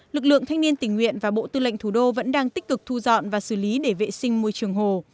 lực lượng thanh niên tình nguyện và bộ tư lệnh thủ đô vẫn đang tích cực thu dọn và xử lý để vệ sinh môi trường hồ